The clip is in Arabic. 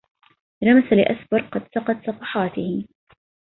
رمس لأسبر قد سقت صفحاته